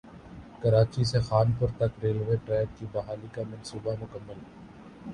کراچی سے خانپور تک railway track کی بحالی کا منصوبہ مکمل